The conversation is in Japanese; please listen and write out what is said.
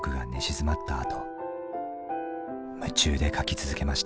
夢中で書き続けました。